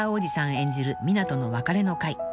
演じる湊斗の別れの回］